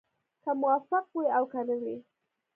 که موفق وي او که نه وي.